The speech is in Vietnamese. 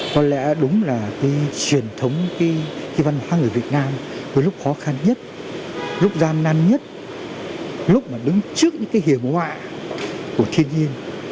có lẽ đúng là cái truyền thống cái văn hóa người việt nam có lúc khó khăn nhất lúc gian nan nhất lúc mà đứng trước những cái hiểm họa của thiên nhiên